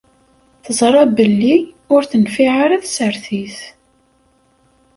Teẓṛa belli ur tenfiɛ ara tsertit.